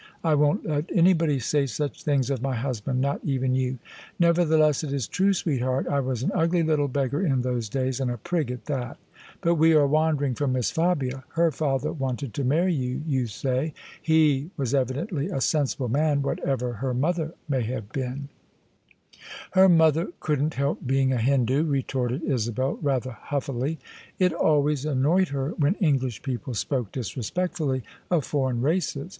I won't let anybody say such things of my hus band : not even you." " Nevertheless it is true, sweetheart I was an ugly little beggar in those days, and a prig at that. But we are wander ing from Miss Fabia. Her father wanted to marry you, you say. He was evidently a sensible man, whatever her mother may have been." THE SUBJECTION "Her mother couldn't hdp being a Hindoo," retorted Isabel rather huffily. It always annoyed her when English people spoke disrespectfully of foreign races.